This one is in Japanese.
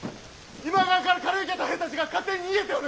今川から借り受けた兵たちが勝手に逃げておる！